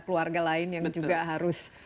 keluarga lain yang juga harus